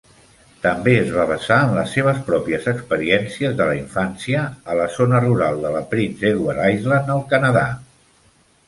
També es va basar en les seves pròpies experiències de la infància a la zona rural de la Prince Edward Island, al Canadà.